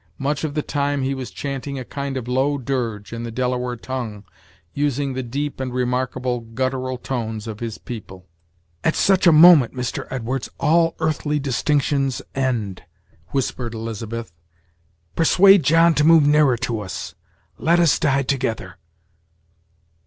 Much of the time he was chanting a kind of low dirge in the Delaware tongue, using the deep and remarkable guttural tones of his people. "At such a moment, Mr. Edwards, all earthly distinctions end," whispered Elizabeth; "persuade John to move nearer to us let us die together."